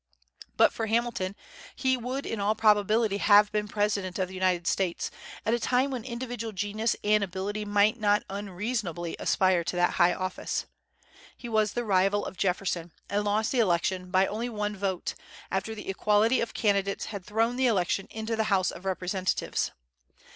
But for Hamilton, he would in all probability have been President of the United States, at a time when individual genius and ability might not unreasonably aspire to that high office. He was the rival of Jefferson, and lost the election by only one vote, after the equality of candidates had thrown the election into the House of Representatives.